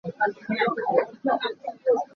Suimilam pazeizat ah dah na ṭin te lai?